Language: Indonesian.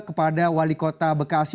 kepada wali kota bekasi